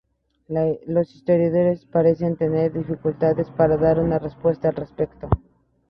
Los historiadores parecen tener dificultades para dar una respuesta al respecto.